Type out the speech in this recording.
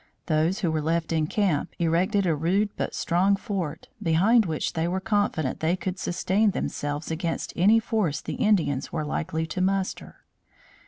Those who were left in camp erected a rude but strong fort, behind which they were confident they could sustain themselves against any force the Indians were likely to muster.